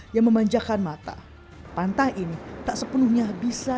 yang memanjakan mata pantai ini tak sepenuhnya bisa